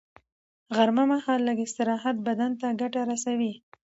غرمه مهال لږ استراحت بدن ته ګټه رسوي